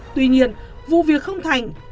tuy nhiên vụ việc không thành